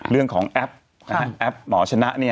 เรื่องของแอปแอปหมอชนะเนี่ย